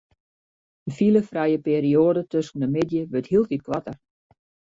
De filefrije perioade tusken de middei wurdt hieltyd koarter.